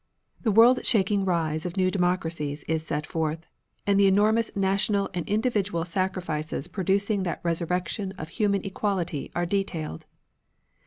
The world shaking rise of new democracies is set forth, and the enormous national and individual sacrifices producing that resurrection of human equality are detailed.